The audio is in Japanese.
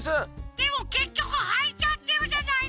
でもけっきょくはいちゃってるじゃないの！